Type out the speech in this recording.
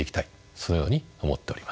そのように思っております。